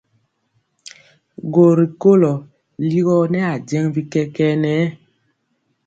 Gɔ rikolɔ ligɔ nɛ ajeŋg bi kɛkɛɛ nɛ.